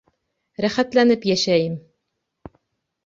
Рәхәтләнеп йәшәйем!